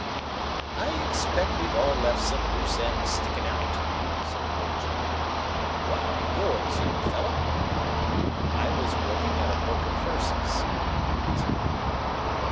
"I expect we've all left some loose ends stickin' out," said Lord John. "What are yours, young fellah?" "I was working at a book of verses," I answered.